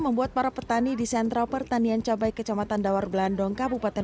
membuat para petani di sentra pertanian cabai kecamatan dawar belandong kabupaten